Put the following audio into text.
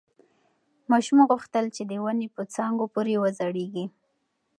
ماشوم غوښتل چې د ونې په څانګو پورې وځړېږي.